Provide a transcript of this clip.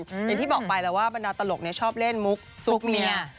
อย่างที่บอกไปแล้วว่าบรรดาตลกชอบเล่นมุกซุกเมีย